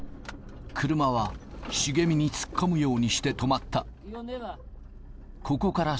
車は茂みに突っ込むようにして止まった。